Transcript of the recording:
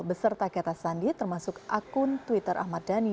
beserta kata sandi termasuk akun twitter ahmad dhani